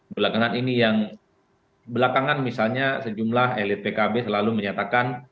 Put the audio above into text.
belakangan ini yang belakangan misalnya sejumlah elit pkb selalu menyatakan